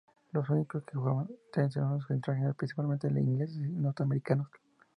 Los únicos que jugaban tenis eran los extranjeros, principalmente ingleses y norteamericanos.